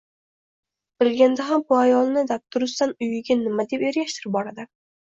Bilganda ham bu ayolni dabdurustdan uyiga nima deb ergashtirib boradi